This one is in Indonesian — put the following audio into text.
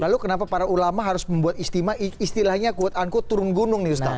lalu kenapa para ulama harus membuat istilahnya kuat anku turun gunung nih ustaz